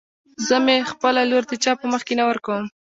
زه مې خپله لور د چا په مخکې نه ورکم.